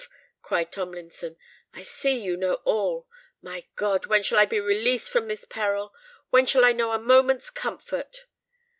cried Tomlinson: "I see you know all. My God! when shall I be released from this peril? when shall I know a moment's comfort?"